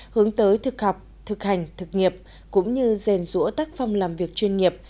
hướng tới thực học thực hành thực nghiệp cũng như rèn rũa tác phong làm việc chuyên nghiệp